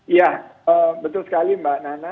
iya betul sekali mbak nana